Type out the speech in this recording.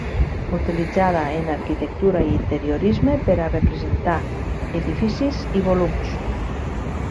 Utilitzada en arquitectura i interiorisme per a representar edificis i volums.